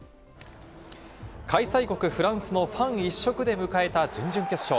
開催国フランスのファン一色で迎えた準々決勝。